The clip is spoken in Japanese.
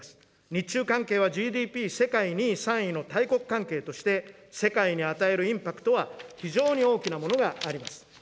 日中関係はＧＤＰ世界２位、３位の大国関係として、世界に与えるインパクトは非常に大きなものがあります。